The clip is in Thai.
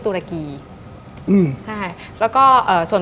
ดิงกระพวน